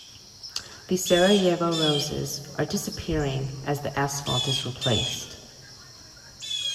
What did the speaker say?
The Sarajevo roses are disappearing as the asphalt is replaced.